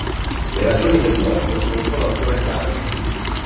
Le ragioni del blocco non sono ancora chiare.